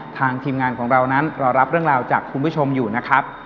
ทีมงานของเรานั้นรอรับเรื่องราวจากคุณผู้ชมอยู่นะครับ